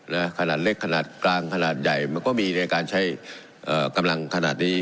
ขนาดเล็กขนาดกลางขนาดใหญ่มันก็มีในการใช้เอ่อกำลังขนาดนี้